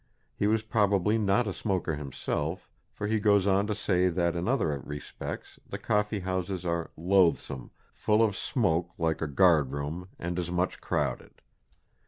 He was probably not a smoker himself, for he goes on to say that in other respects the coffee houses are "loathsome, full of smoke like a guardroom, and as much crowded."